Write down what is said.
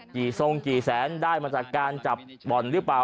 ทรงกี่แสนได้มาจากการจับบ่อนหรือเปล่า